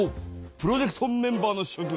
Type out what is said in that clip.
プロジェクトメンバーのしょ君。